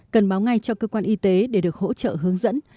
cần báo ngay cho cơ quan y tế để được hỗ trợ hướng dẫn